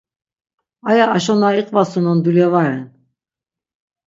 Aya aşo na iqvasunon dulya va ren.